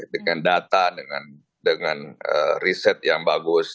dengan data dengan riset yang bagus